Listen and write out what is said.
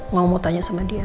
mau mau tanya sama dia